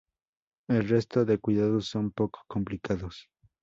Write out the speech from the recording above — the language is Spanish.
El resto de cuidados son poco complicados.